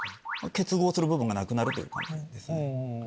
結合する部分がなくなるという感じです。